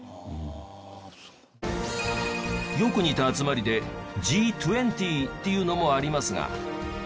よく似た集まりでＧ２０っていうのもありますが。